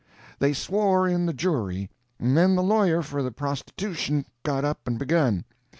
They swore in the jury, and then the lawyer for the prostitution got up and begun.